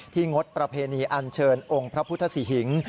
งดประเพณีอันเชิญองค์พระพุทธศรีหิง